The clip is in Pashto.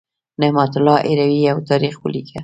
نعمت الله هروي یو تاریخ ولیکه.